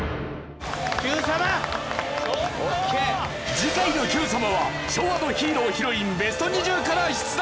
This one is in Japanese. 次回の『Ｑさま！！』は昭和のヒーロー＆ヒロインＢＥＳＴ２０から出題。